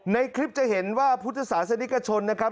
ในคลิปจะเห็นว่าพุทธศาสนิกชนนะครับ